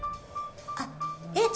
あっえっ